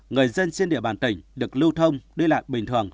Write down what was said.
người dân trên địa bàn tỉnh được lưu thông đi lại bình thường